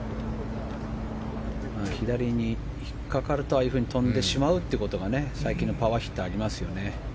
左に引っ掛かるとああいうふうに飛んでしまうのが最近のパワーヒッターにありますよね。